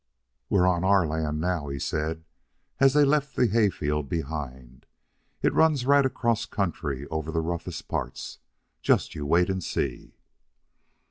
"We're on our land now," he said, as they left the hayfield behind. "It runs right across country over the roughest parts. Just you wait and see."